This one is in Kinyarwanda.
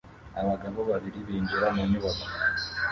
Abagabo babiri binjira mu nyubako